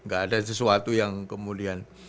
gak ada sesuatu yang kemudian